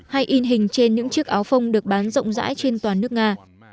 hay in hình trên những chiếc áo phông được bán rộng rãi trên toàn nước nga